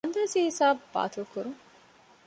އަންދާސީހިސާބު ބާޠިލުކުރުން